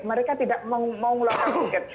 mereka tidak mau mengeluarkan tiket